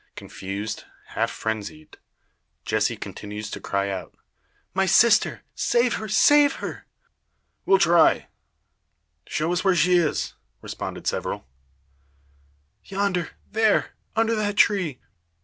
Confused, half frenzied, Jessie continues to cry out: "My sister! Save her! save her!" "We'll try; show us where she is," respond several. "Yonder there under that tree.